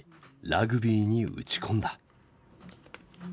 ラグビーに打ち込んだ。